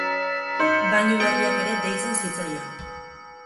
Bainu Berriak ere deitzen zitzaion.